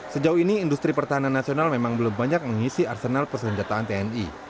sejauh ini industri pertahanan nasional memang belum banyak mengisi arsenal persenjataan tni